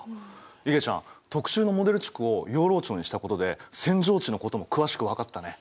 いげちゃん特集のモデル地区を養老町にしたことで扇状地のことも詳しく分かったね。